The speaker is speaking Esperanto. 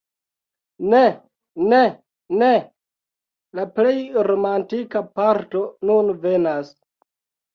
Ne, ne, ne! La plej romantika parto nun venas!